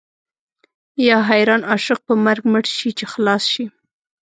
یا حیران عاشق په مرګ مړ شي چې خلاص شي.